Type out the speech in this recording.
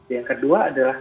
yang kedua adalah